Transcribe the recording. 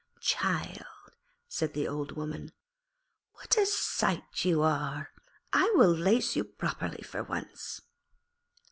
'Child,' said the Old Woman, 'what a sight you are, I will lace you properly for once.'